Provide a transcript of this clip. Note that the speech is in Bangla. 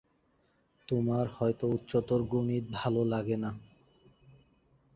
তোমার হয়তো উচ্চতর গণিত ভালো লাগে না।